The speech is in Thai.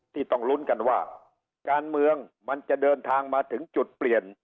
ต้องลุ้นกันว่าการเมืองมันจะเดินทางมาถึงจุดเปลี่ยน